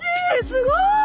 すごい！